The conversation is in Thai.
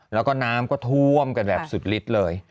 แล้วก็น้ำก็ท่วมกันแบบสุดลิดเลย